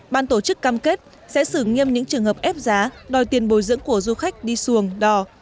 ban tổ chức cam kết sẽ xử nghiêm những trường hợp ép giá đòi tiền bồi dưỡng của du khách đi xuồng đò